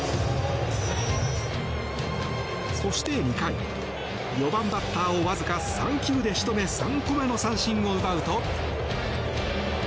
そして２回、４番バッターをわずか３球で仕留め３個目の三振を奪うと。